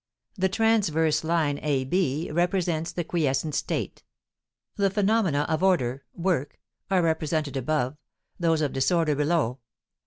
The transverse line A B represents the quiescent state; the phenomena of order (work) are represented above; those of disorder below.